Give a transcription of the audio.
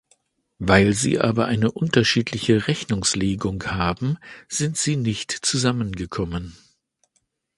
Weil sie aber eine unterschiedliche Rechnungslegung haben, sind sie nicht zusammengekommen.